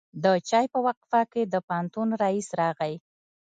د چای په وقفه کې د پوهنتون رئیس راغی.